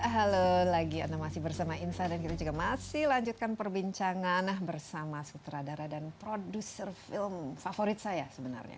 halo lagi anda masih bersama insight dan kita juga masih lanjutkan perbincangan bersama sutradara dan produser film favorit saya sebenarnya